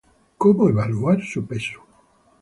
Cómo evaluar su peso